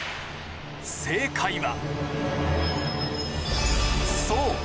正解は。